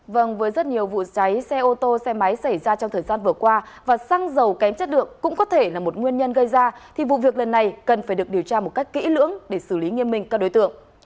vâng với rất nhiều vụ cháy xe ô tô xe máy xảy ra trong thời gian vừa qua và xăng dầu kém chất lượng cũng có thể là một nguyên nhân gây ra thì vụ việc lần này cần phải được điều tra một cách kỹ lưỡng để xử lý nghiêm minh các đối tượng